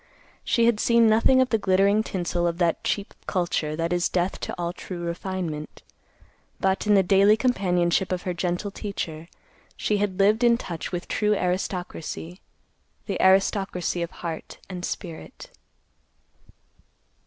She had seen nothing of the glittering tinsel of that cheap culture that is death to all true refinement, But in the daily companionship of her gentle teacher, she had lived in touch with true aristocracy, the aristocracy of heart and spirit.